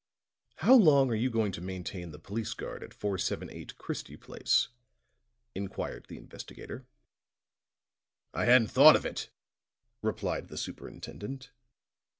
"How long are you going to maintain the police guard at 478 Christie Place?" inquired the investigator. "I hadn't thought of it," replied the superintendent.